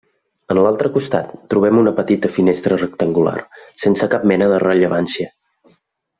En l’altra costat, trobem una petita finestra rectangular, sense cap mena de rellevància.